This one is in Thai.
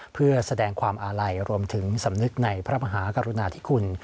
เพื่อแสดงความอาลัยรวมถึงสำนึกในพระมหากรุณาธิคุณ